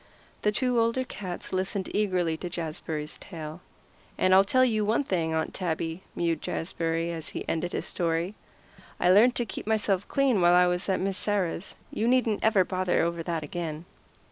The two older cats listened eagerly to Jazbury's tale. "And I'll tell you one thing, Aunt Tabby," mewed Jazbury as he ended his story, "I learned to keep myself clean while I was at Miss Sarah's. You needn't ever bother over that again."